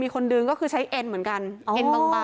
มีคนดึงไหมเหนื่อย